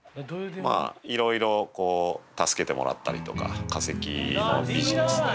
まあいろいろ助けてもらったりとか化石のビジネスで。